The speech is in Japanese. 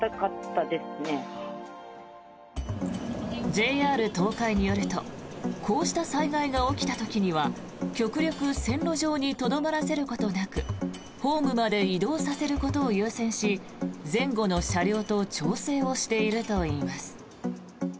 ＪＲ東海によるとこうした災害が起きた時には極力線路上にとどまらせることなくホームまで移動させることを優先し前後の車両と調整をしているといいます。